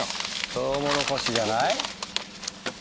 トウモロコシじゃない？